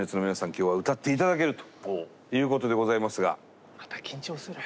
今日は歌って頂けるということでございますが。